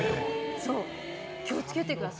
気を付けてください。